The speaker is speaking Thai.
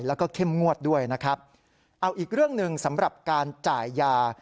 แล้วก็เข้มงวดด้วยนะครับเอาอีกเรื่องหนึ่งสำหรับการจ่ายยา